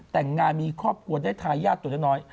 แต่งงานมีครอบครัวได้ทายาทตัวน้อย